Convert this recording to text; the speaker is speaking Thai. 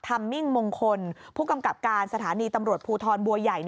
มิ่งมงคลผู้กำกับการสถานีตำรวจภูทรบัวใหญ่